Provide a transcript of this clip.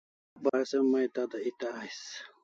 Ek bar se mai tada eta ais